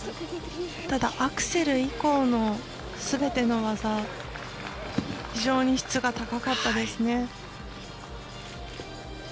ただ、アクセル以降のすべての技非常に質が高かったですね。